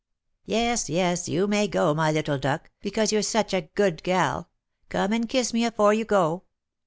"Yes, yes, you may go, my little duck, because you're such a good gal. Come and kiss me afore you go."